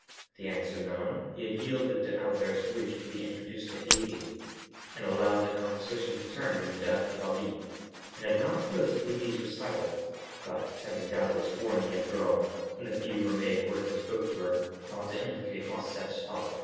The answer known, he had yielded to Albert's wish to be introduced to Haydée, and allowed the conversation to turn on the death of Ali, and had not opposed Haydée's recital (but having, doubtless, warned the young girl, in the few Romaic words he spoke to her, not to implicate Morcerf's father).